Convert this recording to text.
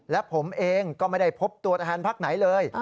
และผมเองก็ไม่ได้พบตัวแทนพักไหนเลย